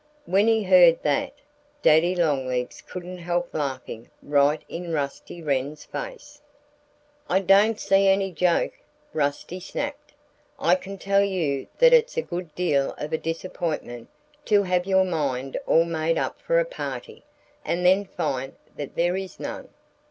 When he heard that, Daddy Longlegs couldn't help laughing right in Rusty Wren's face. "I don't see any joke," Rusty snapped. "I can tell you that it's a good deal of a disappointment to have your mind all made up for a party, and then find that there is none."